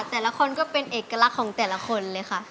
แต่ละคนก็เป็นเอกลักษณ์ของแต่ละคนเลยค่ะ